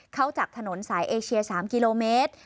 เข้าจากถนนสายเอเชีย๓กิโลเมตร